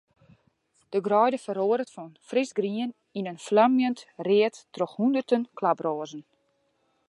De greide feroaret fan frisgrien yn in flamjend read troch hûnderten klaproazen.